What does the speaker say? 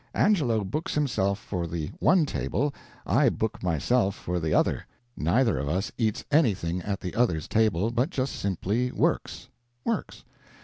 Angelo books himself for the one table, I book myself for the other. Neither of us eats anything at the other's table, but just simply works works.